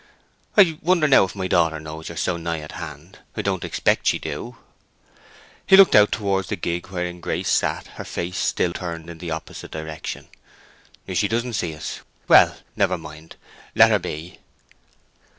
"I wonder now if my daughter knows you are so nigh at hand. I don't expect she do." He looked out towards the gig wherein Grace sat, her face still turned in the opposite direction. "She doesn't see us. Well, never mind: let her be."